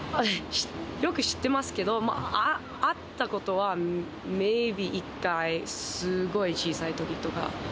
よく知ってますけど、会ったことは、メイビー、１回、すごい小さいときとか。